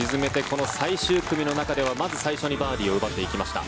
この最終組の中ではまず最初にバーディーを取っていきました。